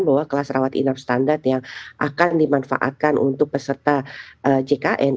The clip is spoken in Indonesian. bahwa kelas rawat inap standar yang akan dimanfaatkan untuk peserta jkn